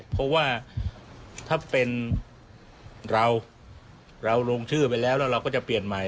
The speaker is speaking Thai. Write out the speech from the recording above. เพราะว่าถ้าเป็นเราเราลงชื่อไปแล้วแล้วเราก็จะเปลี่ยนใหม่